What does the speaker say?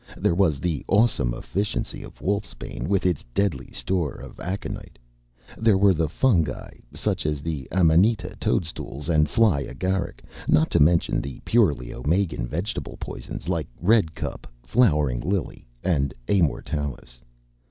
There was the awesome efficiency of wolfsbane with its deadly store of aconite. There were the fungi such as the amanita toadstools and fly agaric, not to mention the purely Omegan vegetable poisons like redcup, flowering lily, and amortalis.